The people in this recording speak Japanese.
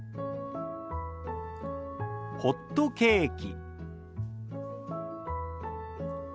「ホットケーキ」。